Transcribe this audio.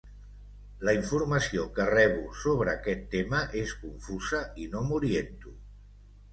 La informació que rebo sobre aquest tema és confusa i no m'oriento.